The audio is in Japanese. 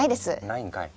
ないんかい。